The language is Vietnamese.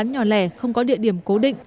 bán nhỏ lẻ không có địa điểm cố định